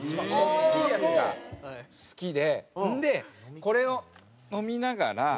大きいやつが好きでそれでこれを飲みながら。